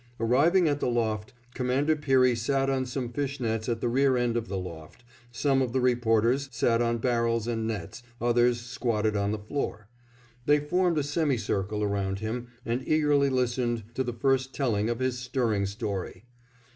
Arriving at the loft Commander Peary sat on some fishnets at the rear end of the loft, some of the reporters sat on barrels and nets, others squatted on the floor. They formed a semi circle around him and eagerly listened to the first telling of his stirring story.